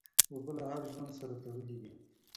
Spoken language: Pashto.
اوبه له هر ژوند سره تړلي دي.